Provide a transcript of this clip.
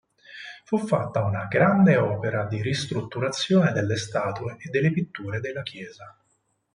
Fu fatta una grande opera di ristrutturazione delle statue e delle pitture della chiesa.